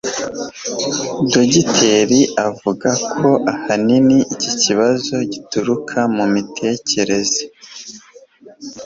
Dogiteri avuga ko ahanini iki kibazo gituruka mu mitekereze